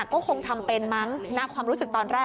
ก็คงทำเป็นมั้งณความรู้สึกตอนแรก